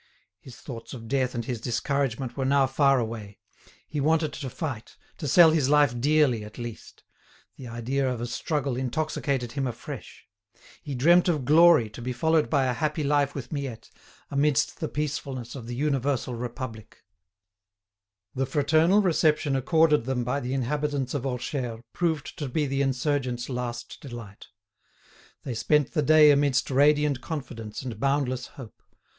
His thoughts of death and his discouragement were now far away. He wanted to fight, to sell his life dearly at least. The idea of a struggle intoxicated him afresh. He dreamed of victory to be followed by a happy life with Miette, amidst the peacefulness of the universal Republic. [*] The farandole is the popular dance of Provence. The fraternal reception accorded them by the inhabitants of Orcheres proved to be the insurgents' last delight. They spent the day amidst radiant confidence and boundless hope.